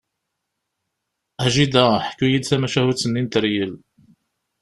A jida, ḥku-iyi-d tamacahut-nni n teryel!